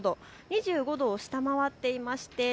２５度を下回っていました。